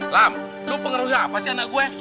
lam lo pengaruhin apa sih anak gue